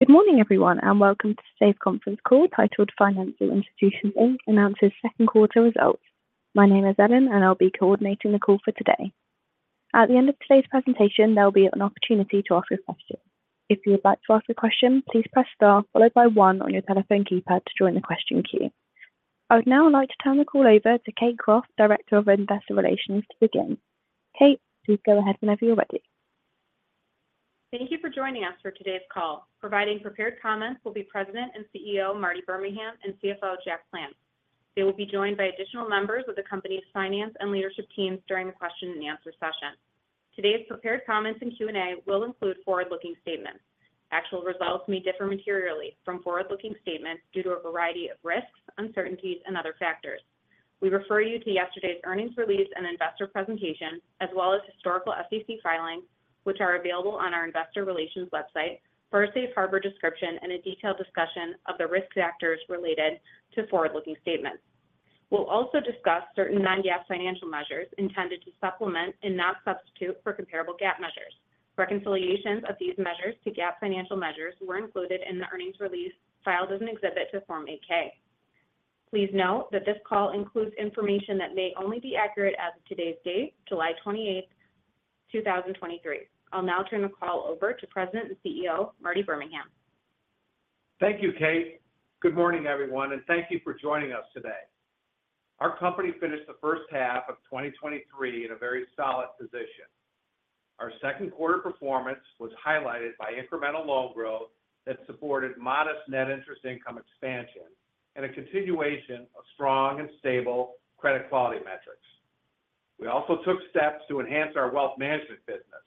Good morning, everyone, and welcome to today's conference call, titled Financial Institutions, Inc. Announces Second Quarter Results. My name is Ellen, and I'll be coordinating the call for today. At the end of today's presentation, there'll be an opportunity to ask your questions. If you'd like to ask a question, please press star followed by one on your telephone keypad to join the question queue. I would now like to turn the call over to Kate Croft, Director of Investor Relations, to begin. Kate, please go ahead whenever you're ready. Thank you for joining us for today's call. Providing prepared comments will be President and CEO, Marty Birmingham, and CFO, Jack Plants. They will be joined by additional members of the company's finance and leadership teams during the question-and-answer session. Today's prepared comments and Q&A will include forward-looking statements. Actual results may differ materially from forward-looking statements due to a variety of risks, uncertainties, and other factors. We refer you to yesterday's earnings release and investor presentation, as well as historical SEC filings, which are available on our investor relations website for a safe harbor description and a detailed discussion of the risk factors related to forward-looking statements. We'll also discuss certain non-GAAP financial measures intended to supplement and not substitute for comparable GAAP measures. Reconciliations of these measures to GAAP financial measures were included in the earnings release filed as an exhibit to Form 8-K. Please note that this call includes information that may only be accurate as of today's date, July 28, 2023. I'll now turn the call over to President and CEO, Marty Birmingham. Thank you, Kate. Good morning, everyone, and thank you for joining us today. Our company finished the first half of 2023 in a very solid position. Our second quarter performance was highlighted by incremental loan growth that supported modest net interest income expansion and a continuation of strong and stable credit quality metrics. We also took steps to enhance our wealth management business,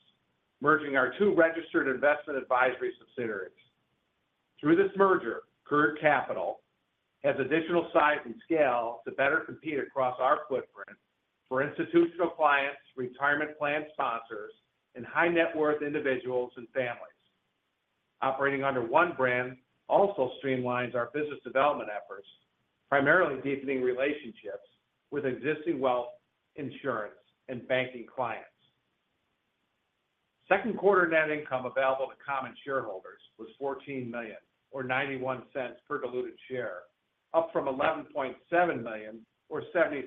merging our two registered investment advisory subsidiaries. Through this merger, Courier Capital has additional size and scale to better compete across our footprint for institutional clients, retirement plan sponsors, and high net worth individuals and families. Operating under one brand also streamlines our business development efforts, primarily deepening relationships with existing wealth insurance and banking clients. Second quarter net income available to common shareholders was $14 million or $0.91 per diluted share, up from $11.7 million or $0.76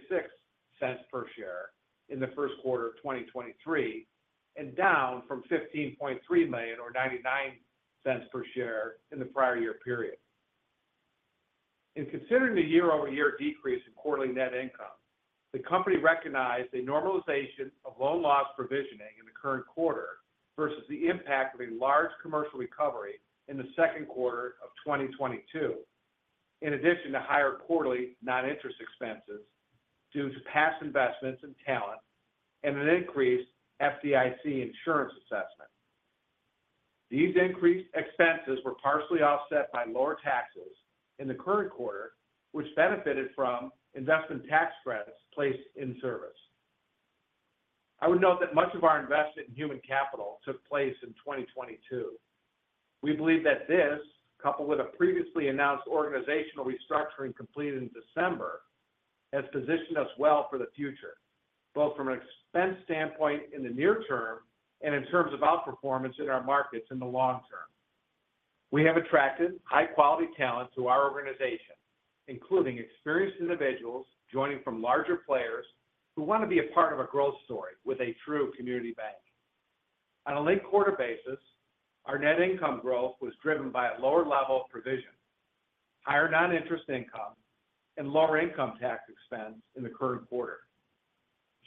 per share in the first quarter of 2023, and down from $15.3 million or $0.99 per share in the prior year period. In considering the year-over-year decrease in quarterly net income, the company recognized a normalization of loan loss provisioning in the current quarter versus the impact of a large commercial recovery in the second quarter of 2022, in addition to higher quarterly non-interest expenses due to past investments in talent and an increased FDIC insurance assessment. These increased expenses were partially offset by lower taxes in the current quarter, which benefited from investment tax credits placed in service. I would note that much of our investment in human capital took place in 2022. We believe that this, coupled with a previously announced organizational restructuring completed in December, has positioned us well for the future, both from an expense standpoint in the near term and in terms of outperformance in our markets in the long term. We have attracted high-quality talent to our organization, including experienced individuals joining from larger players who want to be a part of a growth story with a true community bank. On a linked quarter basis, our net income growth was driven by a lower level of provision, higher non-interest income, and lower income tax expense in the current quarter.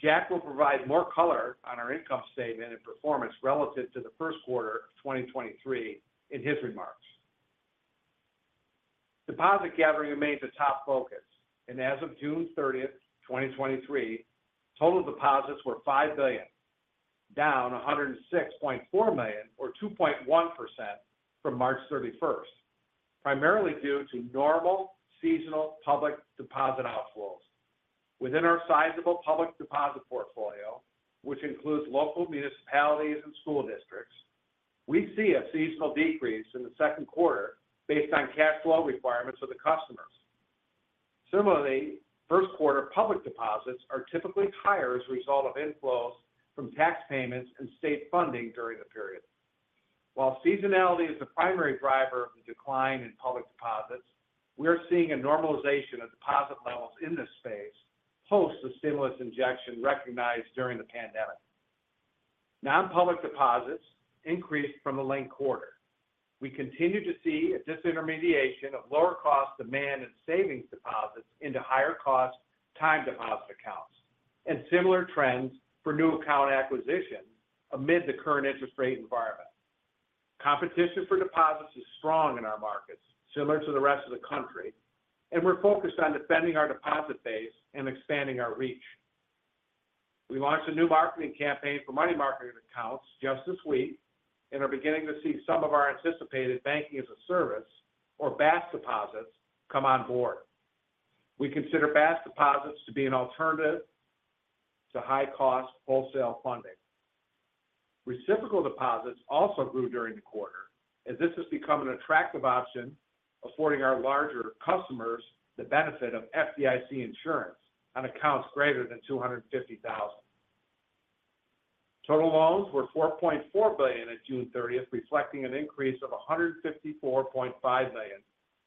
Jack will provide more color on our income statement and performance relative to the first quarter of 2023 in his remarks. Deposit gathering remains a top focus. As of June 30, 2023, total deposits were $5 billion, down $106.4 million or 2.1% from March 31st, primarily due to normal seasonal public deposit outflows. Within our sizable public deposit portfolio, which includes local municipalities and school districts, we see a seasonal decrease in the second quarter based on cash flow requirements of the customers. Similarly, first quarter public deposits are typically higher as a result of inflows from tax payments and state funding during the period. While seasonality is the primary driver of the decline in public deposits, we are seeing a normalization of deposit levels in this space post the stimulus injection recognized during the pandemic. Non-public deposits increased from the linked quarter. We continue to see a disintermediation of lower cost demand and savings deposits into higher cost time deposit accounts and similar trends for new account acquisition amid the current interest rate environment. Competition for deposits is strong in our markets, similar to the rest of the country, and we're focused on defending our deposit base and expanding our reach. We launched a new marketing campaign for money market accounts just this week and are beginning to see some of our anticipated banking-as-a-service or BaaS deposits come on board. We consider BaaS deposits to be an alternative to high-cost, wholesale funding. Reciprocal deposits also grew during the quarter, as this has become an attractive option, affording our larger customers the benefit of FDIC insurance on accounts greater than $250,000. Total loans were $4.4 billion at June 30th, reflecting an increase of $154.5 million,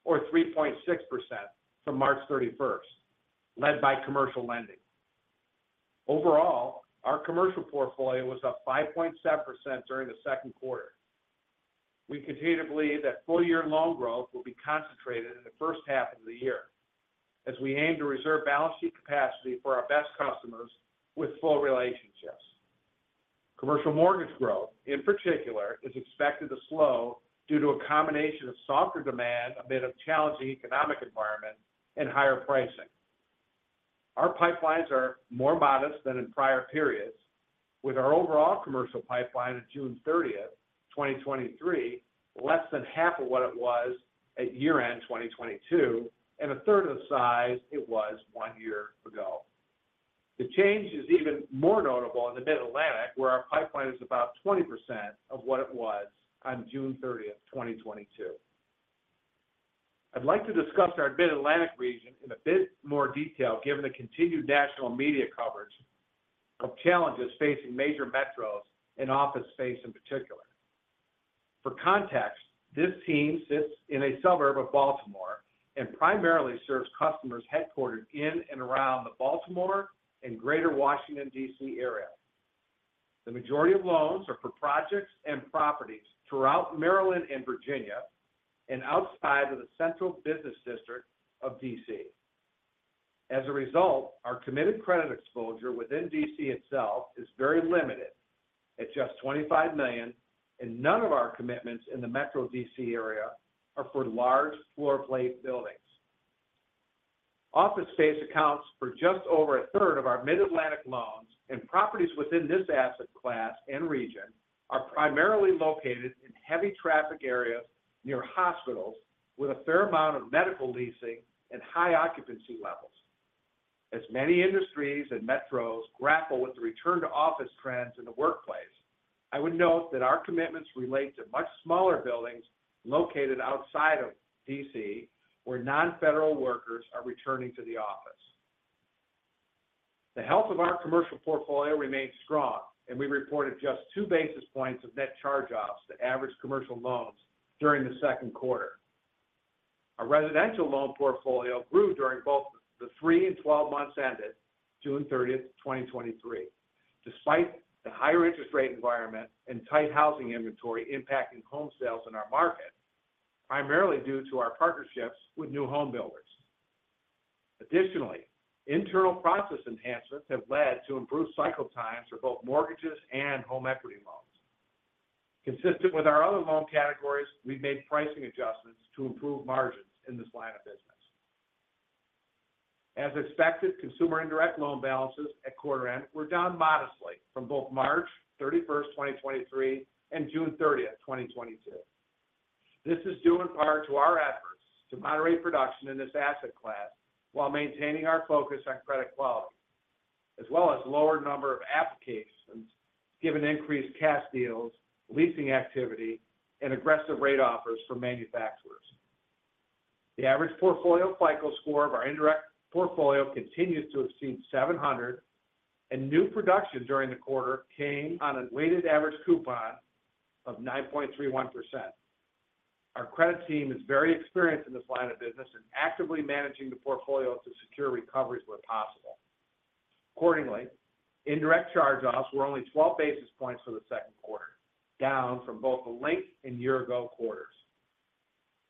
or 3.6% from March 31st, led by commercial lending. Overall, our commercial portfolio was up 5.7% during the second quarter. We continue to believe that full year loan growth will be concentrated in the first half of the year, as we aim to reserve balance sheet capacity for our best customers with full relationships. Commercial mortgage growth, in particular, is expected to slow due to a combination of softer demand amid a challenging economic environment and higher pricing. Our pipelines are more modest than in prior periods, with our overall commercial pipeline at June 30, 2023, less than 1/2 of what it was at year-end 2022, and 1/3 of the size it was one year ago. The change is even more notable in the Mid-Atlantic, where our pipeline is about 20% of what it was on June 30, 2022. I'd like to discuss our Mid-Atlantic region in a bit more detail, given the continued national media coverage of challenges facing major metros and office space in particular. For context, this team sits in a suburb of Baltimore and primarily serves customers headquartered in and around the Baltimore and Greater Washington, D.C., area. The majority of loans are for projects and properties throughout Maryland and Virginia, and outside of the Central Business District of D.C. As a result, our committed credit exposure within D.C. itself is very limited at just $25 million, and none of our commitments in the metro D.C. area are for large floor plate buildings. Office space accounts for just over a third of our Mid-Atlantic loans, and properties within this asset class and region are primarily located in heavy traffic areas near hospitals, with a fair amount of medical leasing and high occupancy levels. As many industries and metros grapple with the return-to-office trends in the workplace, I would note that our commitments relate to much smaller buildings located outside of D.C., where non-federal workers are returning to the office. The health of our commercial portfolio remains strong, and we reported just 2 basis points of net charge-offs to average commercial loans during the second quarter. Our residential loan portfolio grew during both the three and 12 months ended June 30, 2023. Despite the higher interest rate environment and tight housing inventory impacting home sales in our market, primarily due to our partnerships with new home builders. Additionally, internal process enhancements have led to improved cycle times for both mortgages and home equity loans. Consistent with our other loan categories, we've made pricing adjustments to improve margins in this line of business. As expected, consumer indirect loan balances at quarter end were down modestly from both March 31, 2023, and June 30, 2022. This is due in part to our efforts to moderate production in this asset class while maintaining our focus on credit quality, as well as lower number of applications, given increased cash deals, leasing activity, and aggressive rate offers from manufacturers. The average portfolio FICO score of our indirect portfolio continues to exceed 700, and new production during the quarter came on a weighted average coupon of 9.31%. Our credit team is very experienced in this line of business and actively managing the portfolio to secure recoveries where possible. Accordingly, indirect charge-offs were only 12 basis points for the second quarter, down from both the linked and year-ago quarters.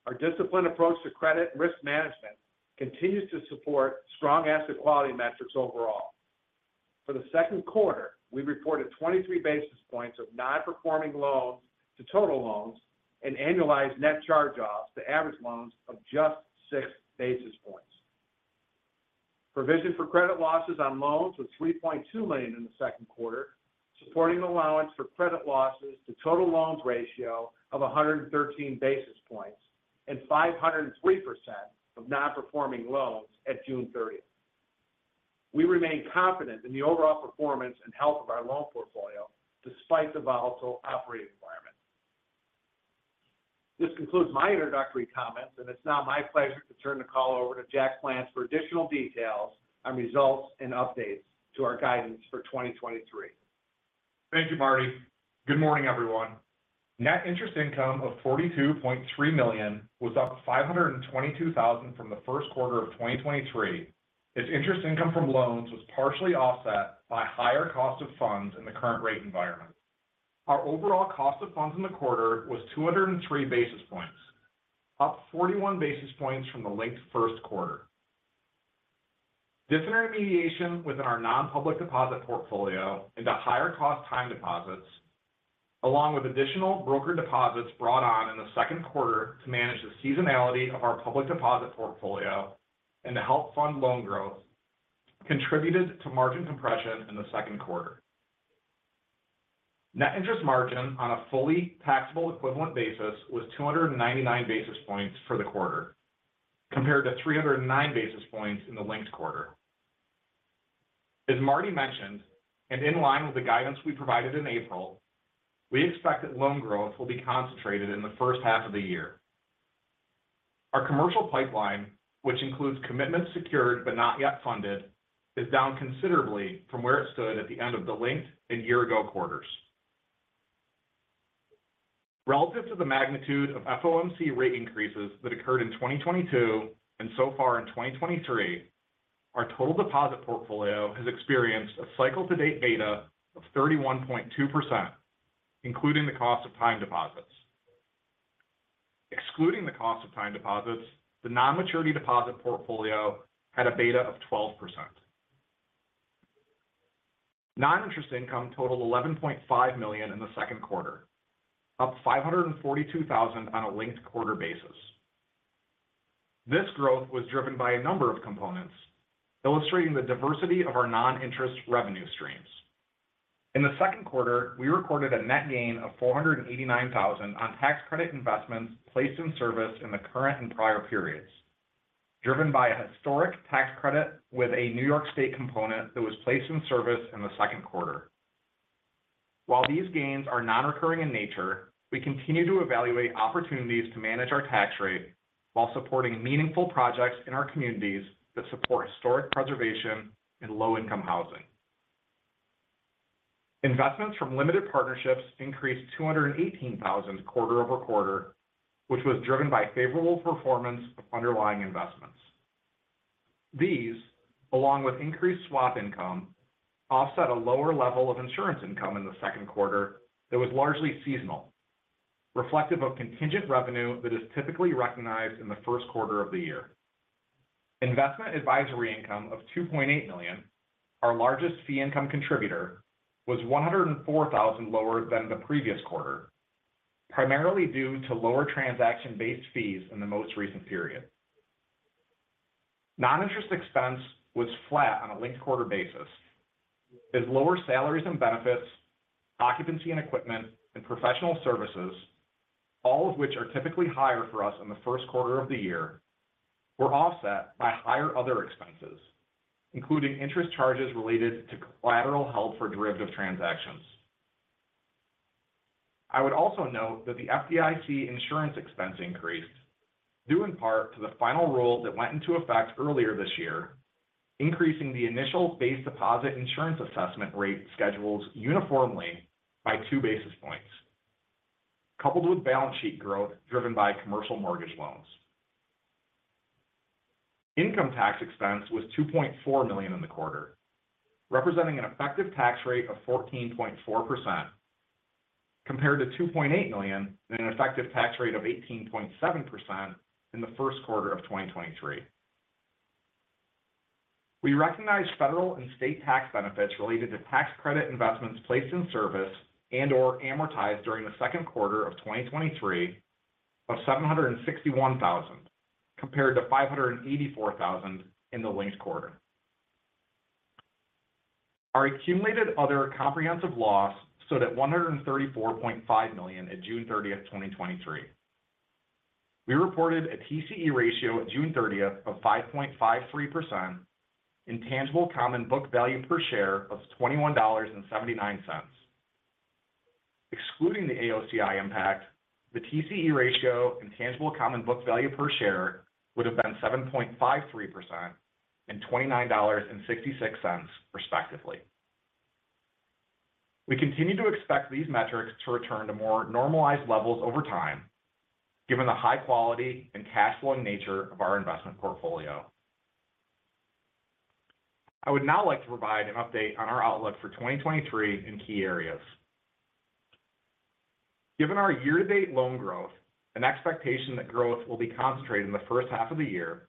Our disciplined approach to credit risk management continues to support strong asset quality metrics overall. For the second quarter, we reported 23 basis points of non-performing loans to total loans and annualized net charge-offs to average loans of just 6 basis points. Provision for credit losses on loans was $3.2 million in the second quarter, supporting the allowance for credit losses to total loans ratio of 113 basis points and 503% of non-performing loans at June 30th. We remain confident in the overall performance and health of our loan portfolio, despite the volatile operating environment. This concludes my introductory comments, and it's now my pleasure to turn the call over to Jack Plants for additional details on results and updates to our guidance for 2023. Thank you, Marty. Good morning, everyone. Net interest income of $42.3 million was up $522,000 from the first quarter of 2023, as interest income from loans was partially offset by higher cost of funds in the current rate environment. Our overall cost of funds in the quarter was 203 basis points, up 41 basis points from the linked first quarter. Disintermediation within our non-public deposit portfolio into higher cost time deposits, along with additional broker deposits brought on in the second quarter to manage the seasonality of our public deposit portfolio and to help fund loan growth, contributed to margin compression in the second quarter. Net interest margin on a fully taxable equivalent basis was 299 basis points for the quarter, compared to 309 basis points in the linked quarter. As Marty mentioned, in line with the guidance we provided in April, we expect that loan growth will be concentrated in the first half of the year. Our commercial pipeline, which includes commitments secured but not yet funded, is down considerably from where it stood at the end of the linked and year-ago quarters. Relative to the magnitude of FOMC rate increases that occurred in 2022 and so far in 2023, our total deposit portfolio has experienced a cycle-to-date beta of 31.2%, including the cost of time deposits. Excluding the cost of time deposits, the non-maturity deposit portfolio had a beta of 12%. Non-interest income totaled $11.5 million in the second quarter, up $542,000 on a linked quarter basis. This growth was driven by a number of components, illustrating the diversity of our non-interest revenue streams. In the second quarter, we recorded a net gain of $489,000 on tax credit investments placed in service in the current and prior periods, driven by a historic tax credit with a New York State component that was placed in service in the second quarter. While these gains are non-recurring in nature, we continue to evaluate opportunities to manage our tax rate while supporting meaningful projects in our communities that support historic preservation and low-income housing. Investments from limited partnerships increased $218,000 quarter-over-quarter, which was driven by favorable performance of underlying investments. These, along with increased swap income, offset a lower level of insurance income in the second quarter that was largely seasonal, reflective of contingent revenue that is typically recognized in the first quarter of the year. Investment advisory income of $2.8 million, our largest fee income contributor, was $104,000 lower than the previous quarter, primarily due to lower transaction-based fees in the most recent period. Non-interest expense was flat on a linked quarter basis, as lower salaries and benefits, occupancy and equipment, and professional services, all of which are typically higher for us in the first quarter of the year, were offset by higher other expenses, including interest charges related to collateral held for derivative transactions. I would also note that the FDIC insurance expense increased due in part to the final rule that went into effect earlier this year, increasing the initial base deposit insurance assessment rate schedules uniformly by 2 basis points, coupled with balance sheet growth driven by commercial mortgage loans. Income tax expense was $2.4 million in the quarter, representing an effective tax rate of 14.4%, compared to $2.8 million and an effective tax rate of 18.7% in the first quarter of 2023. We recognized federal and state tax benefits related to tax credit investments placed in service and/or amortized during the second quarter of 2023 of $761,000, compared to $584,000 in the linked quarter. Our accumulated other comprehensive loss stood at $134.5 million at June 30, 2023. We reported a TCE ratio at June 30th of 5.53% in tangible common book value per share of $21.79. Excluding the AOCI impact, the TCE ratio and tangible common book value per share would have been 7.53% and $29.66, respectively. We continue to expect these metrics to return to more normalized levels over time, given the high quality and cash flow nature of our investment portfolio. I would now like to provide an update on our outlook for 2023 in key areas. Given our year-to-date loan growth and expectation that growth will be concentrated in the first half of the year,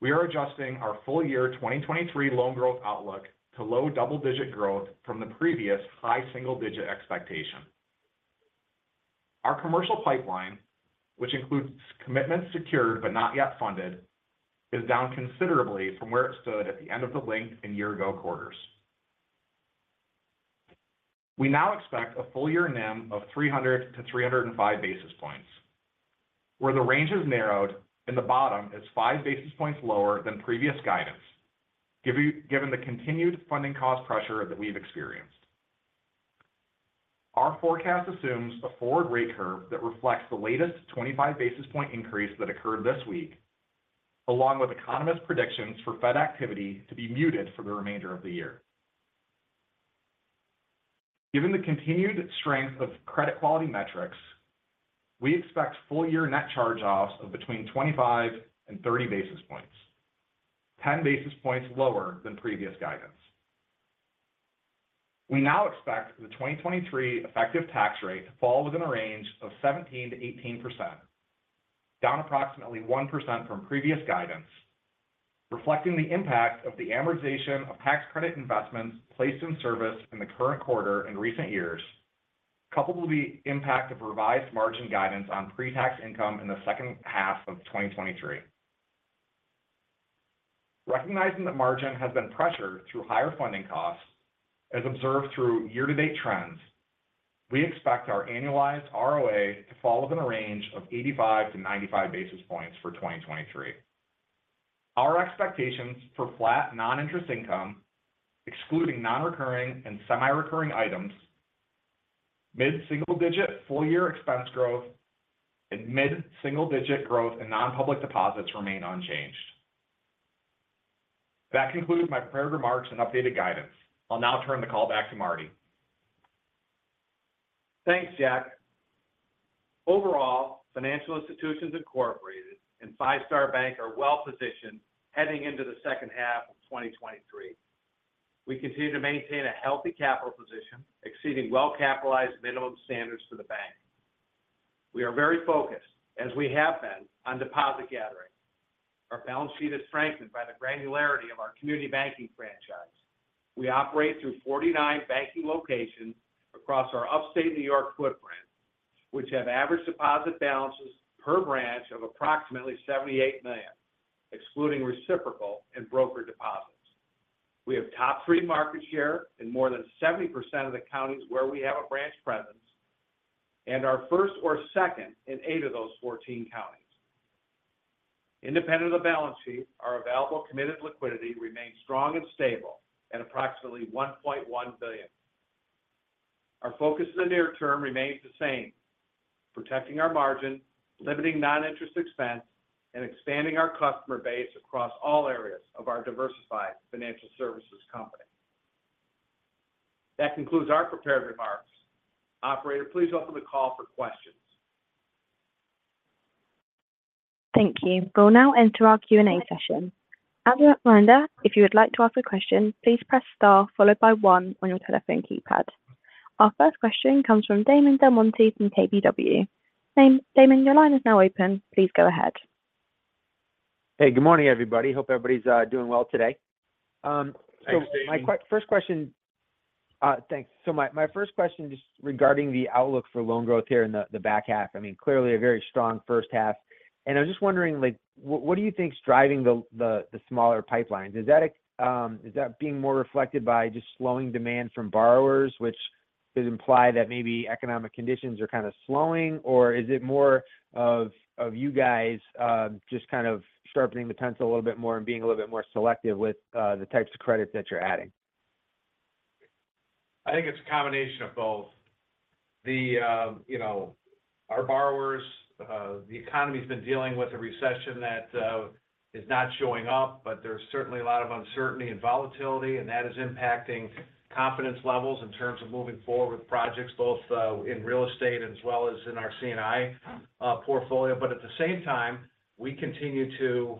we are adjusting our full year 2023 loan growth outlook to low double-digit growth from the previous high single-digit expectation. Our commercial pipeline, which includes commitments secured but not yet funded, is down considerably from where it stood at the end of the linked and year-ago quarters. We now expect a full year NIM of 300 to 305 basis points, where the range is narrowed and the bottom is 5 basis points lower than previous guidance, given the continued funding cost pressure that we've experienced. Our forecast assumes a forward rate curve that reflects the latest 25 basis point increase that occurred this week, along with economist predictions for Fed activity to be muted for the remainder of the year. Given the continued strength of credit quality metrics, we expect full year net charge-offs of between 25 and 30 basis points, 10 basis points lower than previous guidance. We now expect the 2023 effective tax rate to fall within a range of 17%-18%, down approximately 1% from previous guidance, reflecting the impact of the amortization of tax credit investments placed in service in the current quarter in recent years, coupled with the impact of revised margin guidance on pre-tax income in the second half of 2023. Recognizing that margin has been pressured through higher funding costs, as observed through year-to-date trends, we expect our annualized ROA to fall within a range of 85-95 basis points for 2023. Our expectations for flat non-interest income, excluding non-recurring and semi-recurring items, mid-single-digit full-year expense growth and mid-single-digit growth in non-public deposits remain unchanged. That concludes my prepared remarks and updated guidance. I'll now turn the call back to Marty. Thanks, Jack. Overall, Financial Institutions Incorporated and Five Star Bank are well-positioned heading into the second half of 2023. We continue to maintain a healthy capital position, exceeding well-capitalized minimum standards for the bank. We are very focused, as we have been, on deposit gathering. Our balance sheet is strengthened by the granularity of our community banking franchise. We operate through 49 banking locations across our upstate New York footprint, which have average deposit balances per branch of approximately $78 million, excluding reciprocal and broker deposits. We have top three market share in more than 70% of the counties where we have a branch presence and are first or second in eight of those 14 counties. Independent of the balance sheet, our available committed liquidity remains strong and stable at approximately $1.1 billion. Our focus in the near term remains the same: protecting our margin, limiting non-interest expense, and expanding our customer base across all areas of our diversified financial services company. That concludes our prepared remarks. Operator, please open the call for questions. Thank you. We'll now enter our Q&A session. As a reminder, if you would like to ask a question, please press star followed by one on your telephone keypad. Our first question comes from Damon DelMonte from KBW. Damon, your line is now open. Please go ahead. Hey, good morning, everybody. Hope everybody's doing well today. Thanks, Damon. My first question. Thanks. My first question just regarding the outlook for loan growth here in the back half. I mean, clearly a very strong first half. I was just wondering, like, what do you think is driving the smaller pipelines? Is that being more reflected by just slowing demand from borrowers, which does imply that maybe economic conditions are kind of slowing? Or is it more of you guys just kind of sharpening the pencil a little bit more and being a little bit more selective with the types of credits that you're adding? I think it's a combination of both. The, you know, our borrowers, the economy's been dealing with a recession that is not showing up, but there's certainly a lot of uncertainty and volatility, and that is impacting confidence levels in terms of moving forward with projects both in real estate as well as in our C&I portfolio. At the same time, we continue to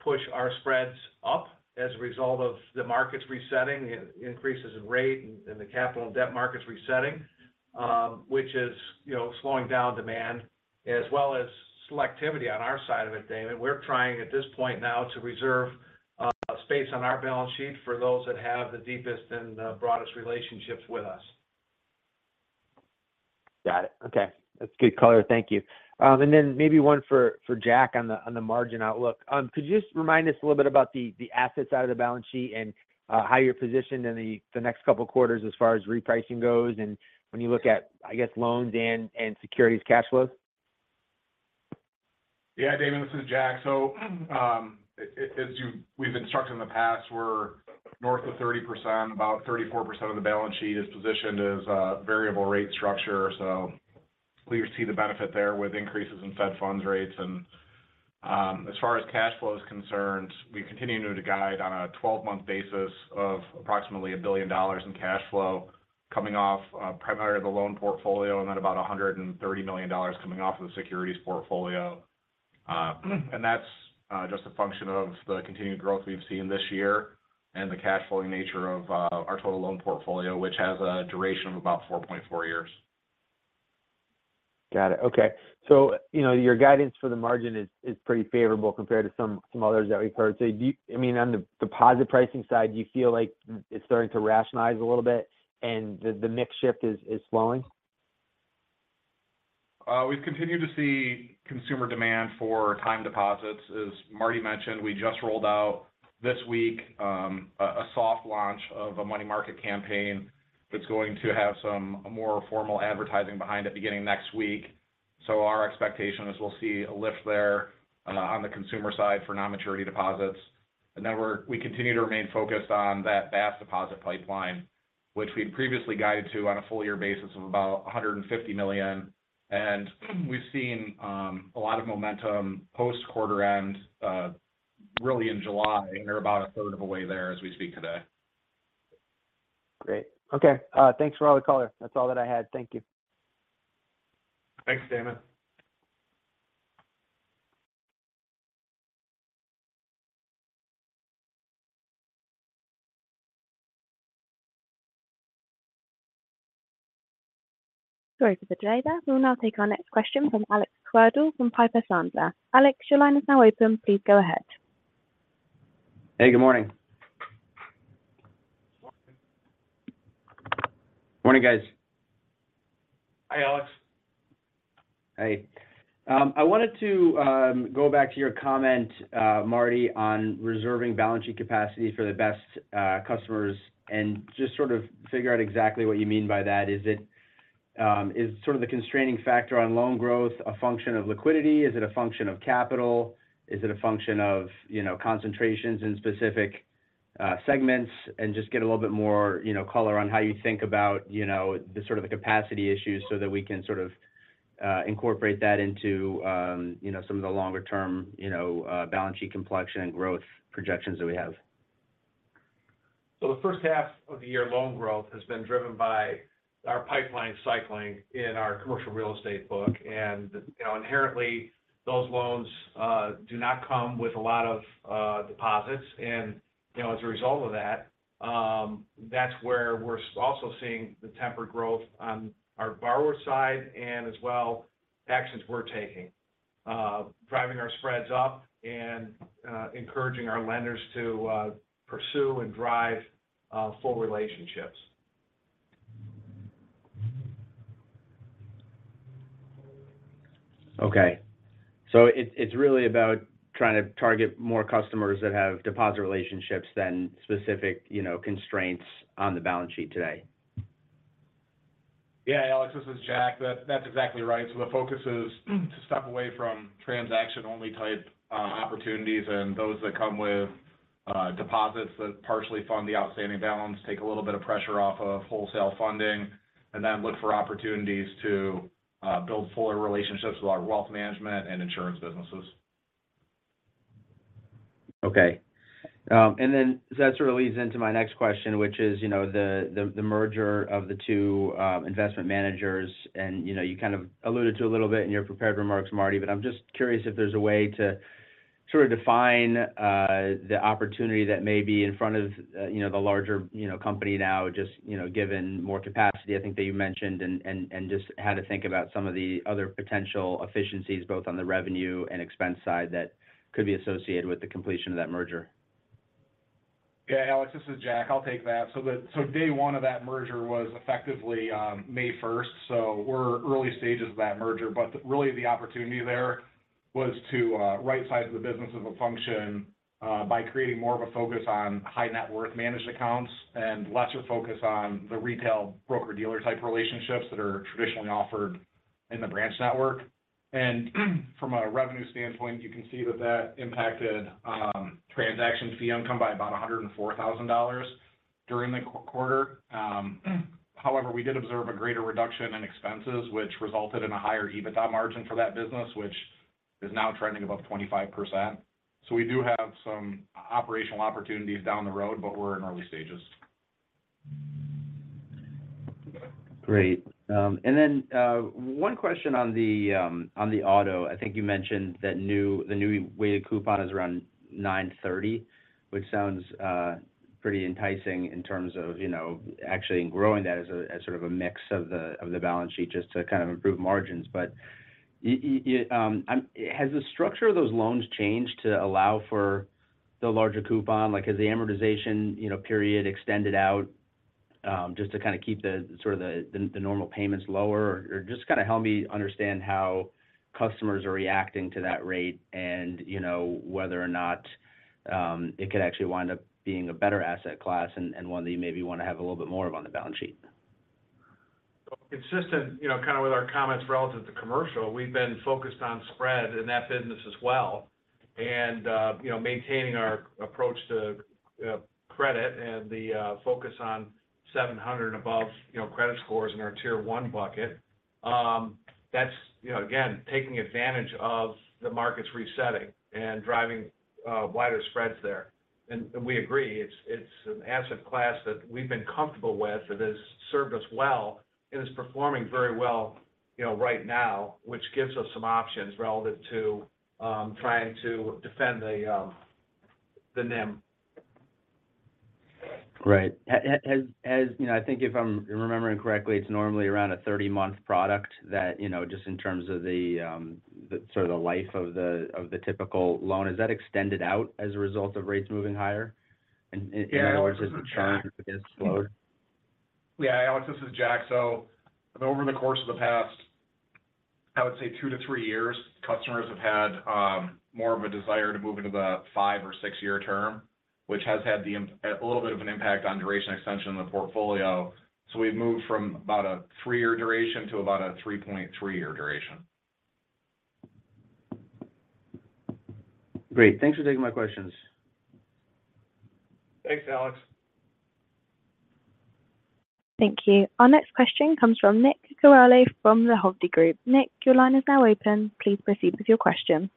push our spreads up as a result of the markets resetting, increases in rate, and the capital and debt markets resetting, which is, you know, slowing down demand as well as selectivity on our side of it, Damon. We're trying, at this point now, to reserve space on our balance sheet for those that have the deepest and broadest relationships with us. Got it. Okay. That's a good color. Thank you. Then maybe one for, for Jack on the margin outlook. Could you just remind us a little bit about the asset side of the balance sheet and how you're positioned in the next couple of quarters as far as repricing goes, and when you look at, I guess, loans and securities cash flows? Yeah, Damon, this is Jack. as we've instructed in the past, we're north of 30%. About 34% of the balance sheet is positioned as a variable rate structure, so we see the benefit there with increases in fed funds rates. as far as cash flow is concerned, we continue to guide on a 12-month basis of approximately $1 billion in cash flow coming off, primarily the loan portfolio and then about $130 million coming off of the securities portfolio. that's just a function of the continued growth we've seen this year and the cash flowing nature of our total loan portfolio, which has a duration of about 4.4 years. Got it. Okay. You know, your guidance for the margin is, is pretty favorable compared to some, some others that we've heard. Do you, I mean, on the deposit pricing side, do you feel like it's starting to rationalize a little bit and the, the mix shift is, is slowing? We've continued to see consumer demand for time deposits. As Marty mentioned, we just rolled out this week, a soft launch of a money market campaign that's going to have some more formal advertising behind it beginning next week. Our expectation is we'll see a lift there on the consumer side for non-maturity deposits. We continue to remain focused on that BaaS deposit pipeline, which we'd previously guided to on a full year basis of about $150 million. We've seen a lot of momentum post-quarter end, really in July. We're about a third of the way there as we speak today. Great. Okay, thanks for all the color. That's all that I had. Thank you. Thanks, Damon. Sorry for the delay there. We'll now take our next question from Alex Twerdahl from Piper Sandler. Alex, your line is now open. Please go ahead. Hey, good morning. Morning, guys. Hi, Alex. Hey. I wanted to go back to your comment, Marty, on reserving balance sheet capacity for the best customers and just sort of figure out exactly what you mean by that. Is it is sort of the constraining factor on loan growth a function of liquidity? Is it a function of capital? Is it a function of, you know, concentrations in specific segments? Just get a little bit more, you know, color on how you think about, you know, the sort of the capacity issues so that we can sort of incorporate that into, you know, some of the longer term, you know, balance sheet complexion and growth projections that we have. The first half of the year, loan growth has been driven by our pipeline cycling in our commercial real estate book. You know, inherently, those loans do not come with a lot of deposits. You know, as a result of that, that's where we're also seeing the tempered growth on our borrower side, and as well, actions we're taking. Driving our spreads up and encouraging our lenders to pursue and drive full relationships. Okay. It's, it's really about trying to target more customers that have deposit relationships than specific, you know, constraints on the balance sheet today? Yeah, Alex, this is Jack. That's exactly right. The focus is to step away from transaction-only type opportunities and those that come with deposits that partially fund the outstanding balance, take a little bit of pressure off of wholesale funding, and then look for opportunities to build fuller relationships with our wealth management and insurance businesses. Okay. Then that sort of leads into my next question, which is, you know, the, the, the merger of the 2 investment managers. You know, you kind of alluded to a little bit in your prepared remarks, Marty, but I'm just curious if there's a way to sort of define the opportunity that may be in front of, you know, the larger, you know, company now, just, you know, given more capacity, I think, that you mentioned, and, and, and just how to think about some of the other potential efficiencies, both on the revenue and expense side, that could be associated with the completion of that merger. Yeah, Alex, this is Jack. I'll take that. The day one of that merger was effectively May 1st, so we're early stages of that merger. Really, the opportunity there was to rightsize the business as a function by creating more of a focus on high-net-worth managed accounts and less of a focus on the retail broker-dealer type relationships that are traditionally offered in the branch network. From a revenue standpoint, you can see that that impacted transaction fee income by about $104,000 during the quarter. However, we did observe a greater reduction in expenses, which resulted in a higher EBITDA margin for that business, which is now trending above 25%. We do have some operational opportunities down the road, but we're in early stages. Great. One question on the auto. I think you mentioned that the new weighted coupon is around 9.30%, which sounds pretty enticing in terms of, you know, actually growing that as a, as sort of a mix of the, of the balance sheet, just to kind of improve margins. Has the structure of those loans changed to allow for the larger coupon? Like, has the amortization, you know, period extended out, just to kind of keep the sort of the, the normal payments lower? Or just kind of help me understand how customers are reacting to that rate and, you know, whether or not it could actually wind up being a better asset class and, and one that you maybe want to have a little bit more of on the balance sheet. Consistent, you know, kind of with our comments relative to commercial, we've been focused on spread in that business as well. You know, maintaining our approach to, credit and the, focus on 700 above, you know, credit scores in our tier one bucket. That's, you know, again, taking advantage of the markets resetting and driving, wider spreads there. We agree, it's, it's an asset class that we've been comfortable with, that has served us well and is performing very well, you know, right now, which gives us some options relative to, trying to defend the, the NIM. Great. As, you know, I think if I'm remembering correctly, it's normally around a 30-month product that, you know, just in terms of the sort of the life of the typical loan. Is that extended out as a result of rates moving higher? Yeah. In other words, is the charge against lower? Yeah, Alex, this is Jack. Over the course of the past, I would say two to three years, customers have had more of a desire to move into the five- or six-year term, which has had a little bit of an impact on duration extension in the portfolio. We've moved from about a three-year duration to about a 3.3-year duration. Great. Thanks for taking my questions. Thanks, Alex. Thank you. Our next question comes from Nick Cucharale from the Hovde Group. Nick, your line is now open. Please proceed with your question.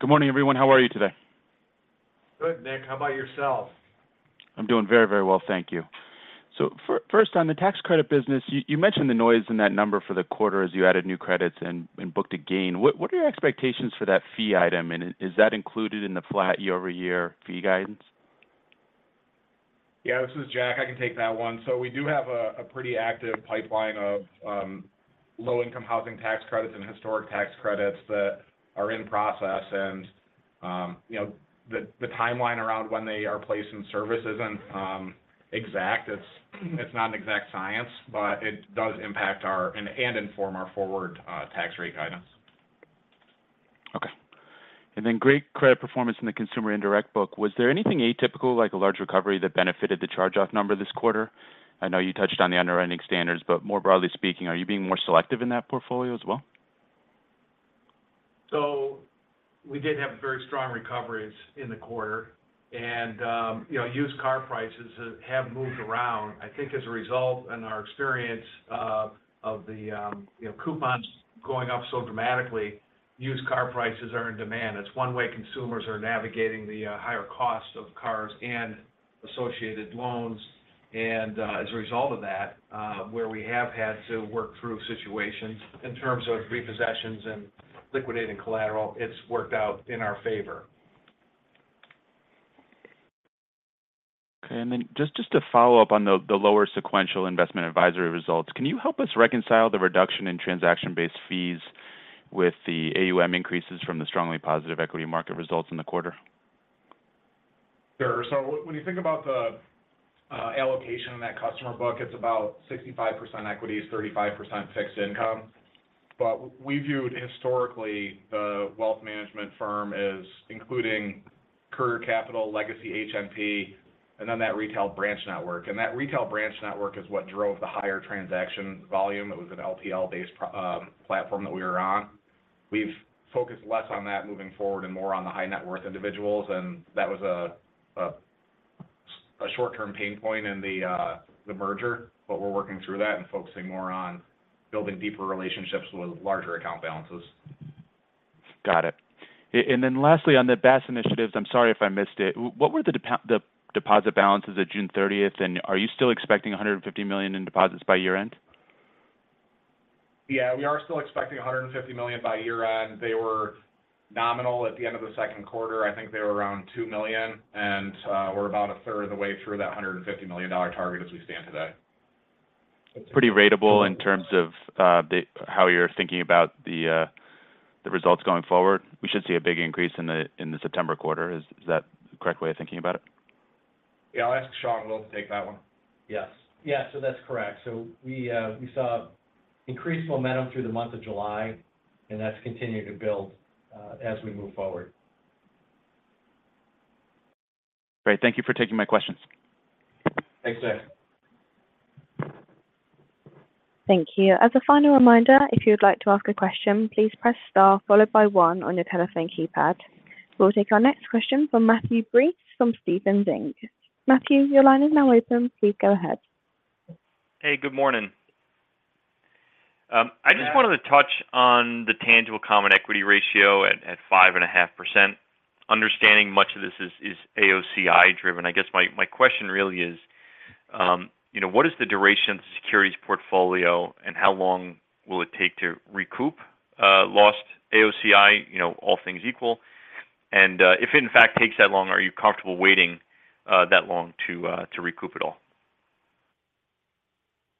Good morning, everyone. How are you today? Good, Nick. How about yourself? I'm doing very, very well, thank you. First, on the tax credit business, you, you mentioned the noise in that number for the quarter as you added new credits and, and booked a gain. What, what are your expectations for that fee item, and is that included in the flat year-over-year fee guidance? Yeah, this is Jack. I can take that one. We do have a pretty active pipeline of low-income housing tax credits and historic tax credits that are in process. You know, the timeline around when they are placed in service isn't exact. It's not an exact science, but it does impact our and inform our forward tax rate guidance. Okay. Then great credit performance in the consumer indirect book. Was there anything atypical, like a large recovery, that benefited the charge-off number this quarter? I know you touched on the underwriting standards, but more broadly speaking, are you being more selective in that portfolio as well? We did have very strong recoveries in the quarter, and, you know, used car prices have moved around. I think as a result, and our experience of, of the, you know, coupons going up so dramatically, used car prices are in demand. It's one way consumers are navigating the higher cost of cars and associated loans. As a result of that, where we have had to work through situations in terms of repossessions and liquidating collateral, it's worked out in our favor. Okay. Then just, just to follow up on the, the lower sequential investment advisory results. Can you help us reconcile the reduction in transaction-based fees with the AUM increases from the strongly positive equity market results in the quarter? When you think about the allocation in that customer book, it's about 65% equities, 35% fixed income. We viewed historically, the wealth management firm as including Courier Capital, legacy HNP, and then that retail branch network. That retail branch network is what drove the higher transaction volume. It was an LPL-based platform that we were on. We've focused less on that moving forward and more on the high-net-worth individuals, and that was a, a short-term pain point in the merger, but we're working through that and focusing more on building deeper relationships with larger account balances. Got it. Then lastly, on the BaaS initiatives, I'm sorry if I missed it. What were the deposit balances at June thirtieth, and are you still expecting $150 million in deposits by year-end? Yeah, we are still expecting $150 million by year-end. They were nominal at the end of the second quarter. I think they were around $2 million, we're about a third of the way through that $150 million dollar target as we stand today. Pretty ratable in terms of how you're thinking about the results going forward. We should see a big increase in the September quarter. Is that the correct way of thinking about it? Yeah, I'll ask Sean Willet to take that one. Yes. Yeah, that's correct. We saw increased momentum through the month of July, and that's continuing to build as we move forward. Great. Thank you for taking my questions. Thanks, Nick. Thank you. As a final reminder, if you would like to ask a question, please press Star, followed by one on your telephone keypad. We'll take our next question from Matthew Breese from Stephens Inc. Matthew, your line is now open. Please go ahead. Hey, good morning. I just. Yeah Wanted to touch on the tangible common equity ratio at 5.5%. Understanding much of this is AOCI driven. I guess my question really is, you know, what is the duration of the securities portfolio and how long will it take to recoup lost AOCI, you know, all things equal? If in fact it takes that long, are you comfortable waiting that long to recoup it all?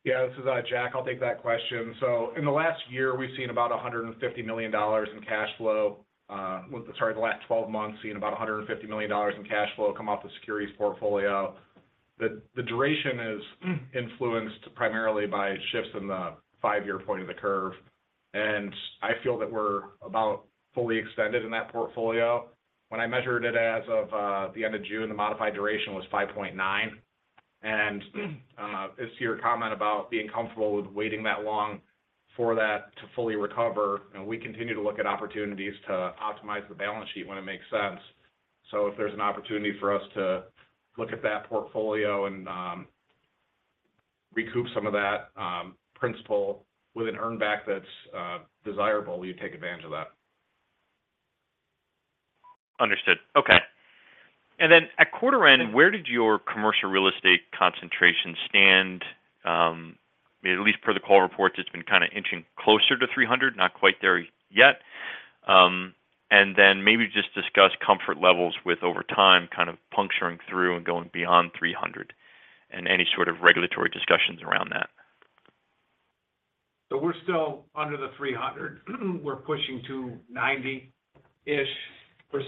Yeah, this is Jack. I'll take that question. In the last year, we've seen about $150 million in cash flow. Sorry, the last 12 months, seen about $150 million in cash flow come off the securities portfolio. The duration is influenced primarily by shifts in the five-year point of the curve, and I feel that we're about fully extended in that portfolio. When I measured it as of the end of June, the modified duration was 5.9. As to your comment about being comfortable with waiting that long for that to fully recover, and we continue to look at opportunities to optimize the balance sheet when it makes sense. If there's an opportunity for us to look at that portfolio and recoup some of that principle with an earn back that's desirable, we take advantage of that. Understood. Okay. Then at quarter end, where did your commercial real estate concentration stand? At least for the call reports, it's been kind of inching closer to 300, not quite there yet. Then maybe just discuss comfort levels with, over time, kind of puncturing through and going beyond 300, and any sort of regulatory discussions around that. We're still under the 300. We're pushing to 90%-ish,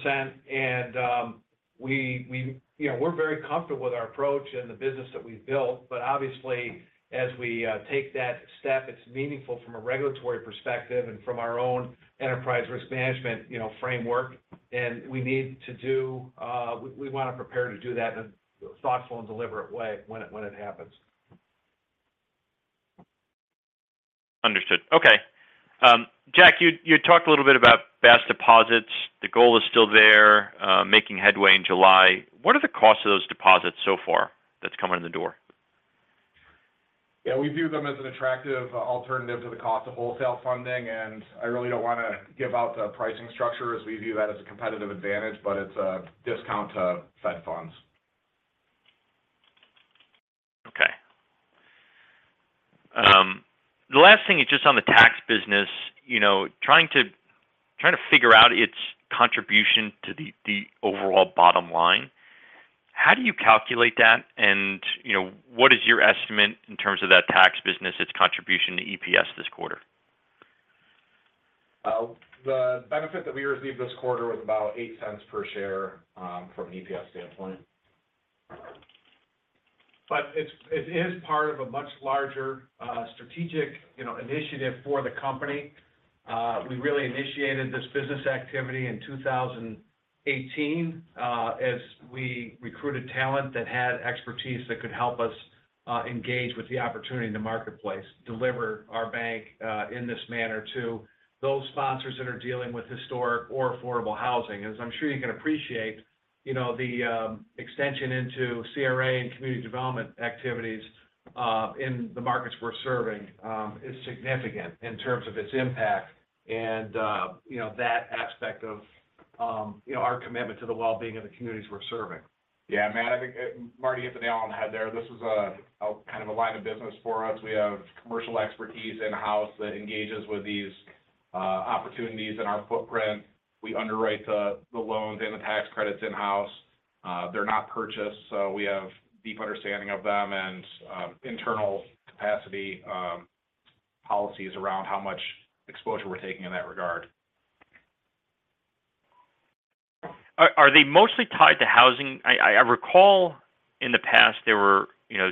and we, you know, we're very comfortable with our approach and the business that we've built. Obviously, as we take that step, it's meaningful from a regulatory perspective and from our own enterprise risk management, you know, framework. We need to do, we want to prepare to do that in a thoughtful and deliberate way when it, when it happens. Understood. Okay. Jack, you, you talked a little bit about BaaS deposits. The goal is still there, making headway in July. What are the costs of those deposits so far, that's coming in the door? Yeah, we view them as an attractive alternative to the cost of wholesale funding. I really don't want to give out the pricing structure as we view that as a competitive advantage. It's a discount to fed funds. Okay. The last thing is just on the tax business, you know, trying to figure out its contribution to the, the overall bottom line. How do you calculate that? You know, what is your estimate in terms of that tax business, its contribution to EPS this quarter? The benefit that we received this quarter was about $0.08 per share, from an EPS standpoint. It is part of a much larger, strategic, you know, initiative for the company. We really initiated this business activity in 2019 2018, as we recruited talent that had expertise that could help us engage with the opportunity in the marketplace, deliver our bank, in this manner to those sponsors that are dealing with historic or affordable housing. As I'm sure you can appreciate, you know, the extension into CRA and community development activities, in the markets we're serving, is significant in terms of its impact and, you know, that aspect of, you know, our commitment to the well-being of the communities we're serving. Yeah, Matt, I think Marty hit the nail on the head there. This is a kind of a line of business for us. We have commercial expertise in-house that engages with these opportunities in our footprint. We underwrite the loans and the tax credits in-house. They're not purchased, so we have deep understanding of them and internal capacity, policies around how much exposure we're taking in that regard. Are, are they mostly tied to housing? I, I, I recall in the past there were, you know,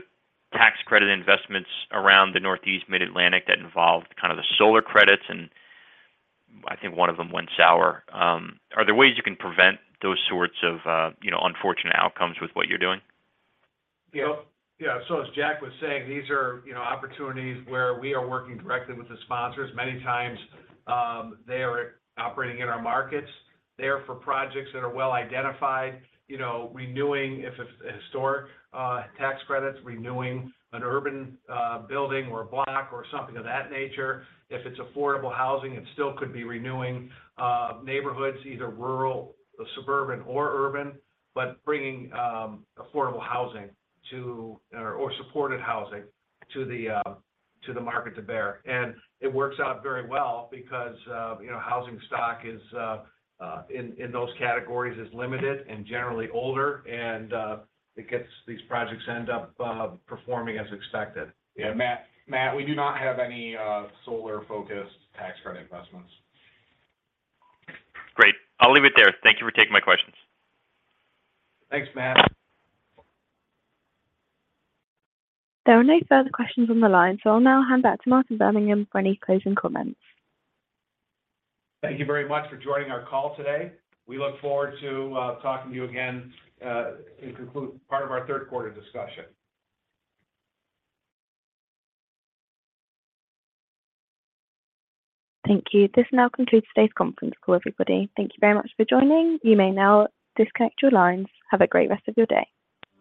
tax credit investments around the Northeast Mid-Atlantic that involved kind of the solar credits, and I think one of them went sour. Are there ways you can prevent those sorts of, you know, unfortunate outcomes with what you're doing? Yeah. Yeah, so as Jack was saying, these are, you know, opportunities where we are working directly with the sponsors. Many times, they are operating in our markets. They are for projects that are well identified, you know, renewing if it's historic tax credits, renewing an urban building or a block or something of that nature. If it's affordable housing, it still could be renewing neighborhoods, either rural, or suburban, or urban, but bringing affordable housing to, or supported housing to the market to bear. It works out very well because, you know, housing stock is in those categories is limited and generally older, and it gets these projects end up performing as expected. Yeah, Matt, Matt, we do not have any solar-focused tax credit investments. Great. I'll leave it there. Thank you for taking my questions. Thanks, Matt. There are no further questions on the line, so I'll now hand back to Martin Birmingham for any closing comments. Thank you very much for joining our call today. We look forward to, talking to you again, in conclude part of our third quarter discussion. Thank you. This now concludes today's conference call, everybody. Thank you very much for joining. You may now disconnect your lines. Have a great rest of your day.